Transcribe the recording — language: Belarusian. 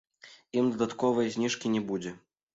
Ім дадатковай зніжкі не будзе.